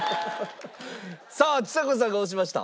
さあちさ子さんが押しました。